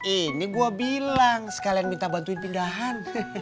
ini gue bilang sekalian minta bantuin pindahan